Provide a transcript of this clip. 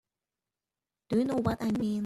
Do you know what I mean?